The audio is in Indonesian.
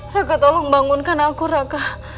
raka tolong bangunkan aku raka